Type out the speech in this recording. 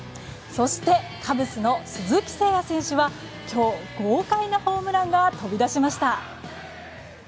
そして、カブスの鈴木誠也選手は今日、豪快なホームランが飛び出しました。